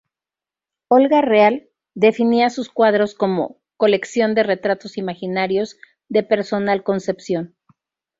Olga Real, definía sus cuadros, como: "colección de retratos imaginarios de personal concepción.